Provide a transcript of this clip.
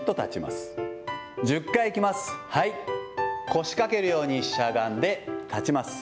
腰かけるようにしゃがんで立ちます。